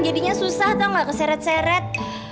jadinya susah tau gak keseret seret